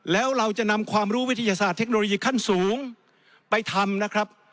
แล้วเราจะนำความรู้วิทยาศาสตร์เทคโนโลยีขั้นสูงไปทำนะครับ